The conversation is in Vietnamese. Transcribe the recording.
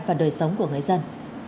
và đời sống của người dân